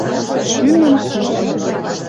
шӱмӹм сусу